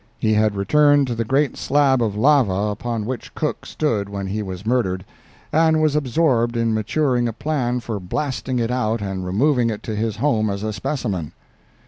He had returned to the great slab of lava upon which Cook stood when he was murdered, and was absorbed in maturing a plan for blasting it out and removing it to his home as a specimen.